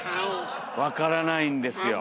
わからないんですよ。